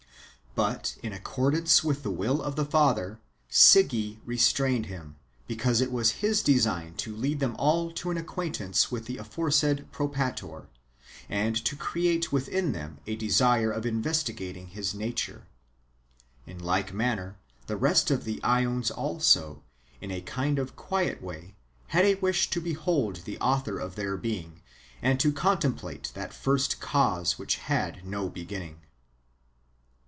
But, in accordance with the will of the Father, Sige restrained him, because it was his design to lead them all to an acquaintance with the aforesaid Propator, and to create within them a desire of investixratinsj his nature. In like manner, the rest of the ^ons also, in a kind of quiet way, had a wish to behold the Author of their being, and to con template that First Cause which had no beginning.